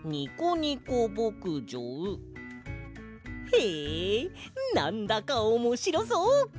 へえなんだかおもしろそう！